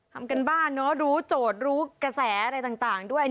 ทำการบ้านเนอะรู้โจทย์รู้กระแสอะไรต่างด้วย